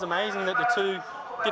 bahwa dua agama berbeda